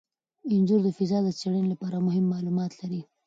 انځور د فضا د څیړنې لپاره مهم معلومات لري.